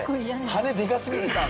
羽でかすぎてさ